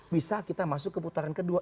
bisa kita masuk ke putaran kedua